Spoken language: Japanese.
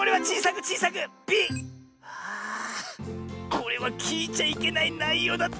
これはきいちゃいけないないようだった。